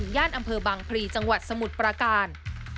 ย่านอำเภอบางพลีจังหวัดสมุทรปราการ